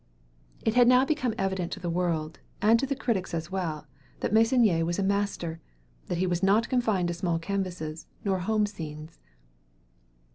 It had now become evident to the world, and to the critics as well, that Meissonier was a master; that he was not confined to small canvases nor home scenes.